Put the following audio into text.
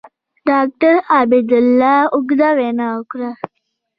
ډاکټر عبدالله اوږده وینا وکړه.